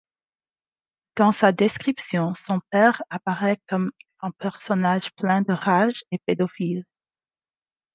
Dans sa description, son père apparaît comme un personnage plein de rage et pédophile.